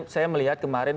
saya melihat kemarin